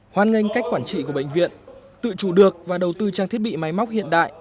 hoan nghênh cách quản trị của bệnh viện tự chủ được và đầu tư trang thiết bị máy móc hiện đại